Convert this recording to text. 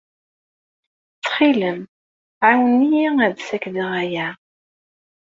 Ttxil-m, ɛawen-iyi ad ssidreɣ aya.